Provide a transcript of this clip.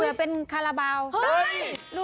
เผื่อเป็นคาลาบาล